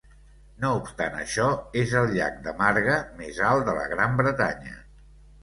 No obstant això, és el llac de marga més alt de la Gran Bretanya.